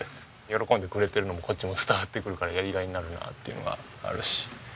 喜んでくれてるのもこっちも伝わってくるからやりがいになるなっていうのがあるし。